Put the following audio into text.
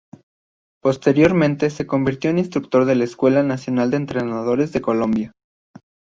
Posteriormente se convirtió en instructor de la Escuela Nacional de Entrenadores de Colombia.